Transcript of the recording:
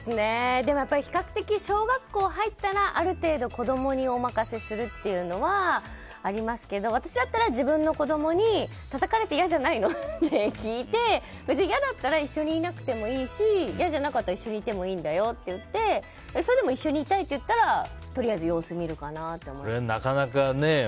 でも比較的、小学校に入ったらある程度、子供にお任せするというのはありますけど私だったら、自分の子供にたたかれて嫌じゃないの？って聞いて嫌だったら一緒にいなくてもいいし嫌じゃなかったら一緒にいてもいいんだよって言ってそれでも一緒にいたいって言ったらとりあえず様子を見るかなと思います。